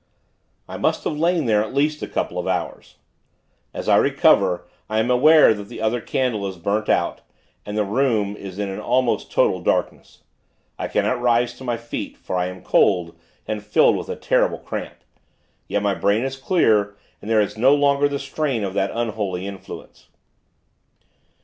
I must have lain there, at least a couple of hours. As I recover, I am aware that the other candle has burnt out, and the room is in an almost total darkness. I cannot rise to my feet, for I am cold, and filled with a terrible cramp. Yet my brain is clear, and there is no longer the strain of that unholy influence.